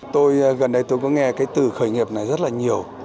tôi gần đây tôi có nghe cái từ khởi nghiệp này rất là nhiều